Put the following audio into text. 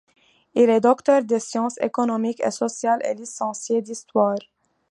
Il est docteur des sciences économiques et sociales et licencié d'histoire.